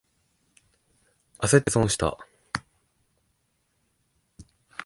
あせって損した。